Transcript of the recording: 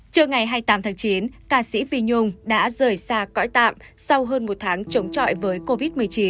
trưa ngày hai mươi tám tháng chín ca sĩ phi nhung đã rời xa cõi tạm sau hơn một tháng chống trọi với covid một mươi chín